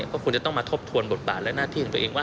ก็ควรจะต้องมาทบทวนบทบาทและหน้าที่ของตัวเองว่า